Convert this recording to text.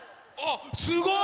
すごい。